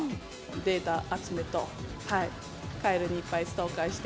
データ集めと、カエルにいっぱいストーカーして。